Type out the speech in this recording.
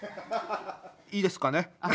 いいですかね？